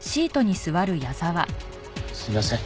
すいません。